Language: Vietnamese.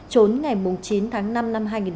trốn ngày chín tháng năm năm hai nghìn một mươi ba